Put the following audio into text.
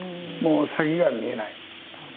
もう、先が見えない。